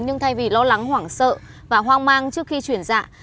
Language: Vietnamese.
nhưng thay vì lo lắng hoảng sợ và hoang mang trước khi chuyển dạ